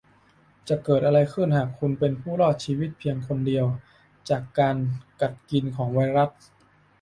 จะเกิดอะไรขึ้นหากคุณเป็นผู้รอดชีวิตเพียงคนเดียวจากการกัดกินของไวรัส